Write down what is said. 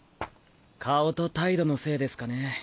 顔と態度のせいですかね？